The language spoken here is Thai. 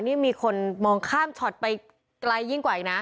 นี่มีคนมองข้ามช็อตไปไกลยิ่งกว่าอีกนะ